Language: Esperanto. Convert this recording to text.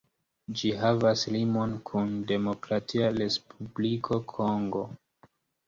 Ĝi havas limon kun Demokratia Respubliko Kongo.